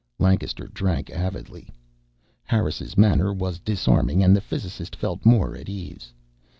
Lancaster drank avidly. Harris' manner was disarming, and the physicist felt more at ease.